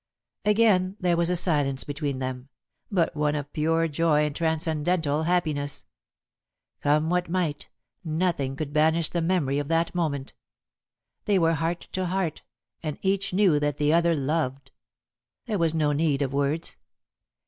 Again there was a silence between them, but one of pure joy and transcendental happiness. Come what might, nothing could banish the memory of that moment. They were heart to heart and each knew that the other loved. There was no need of words.